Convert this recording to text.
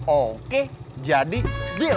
oke jadi deal